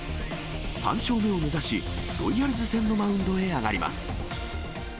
３勝目を目指し、ロイヤルズ戦のマウンドに上がります。